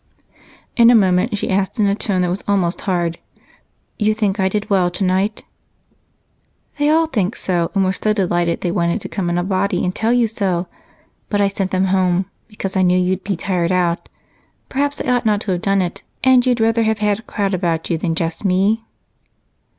In a moment she asked in a tone that was almost hard: "You think I did well tonight?" "They all think so, and were so delighted they wanted to come in a body and tell you so, but I sent them home because I knew you'd be tired out. Perhaps I ought not to have done it and you'd rather have had a crowd about you than just me?"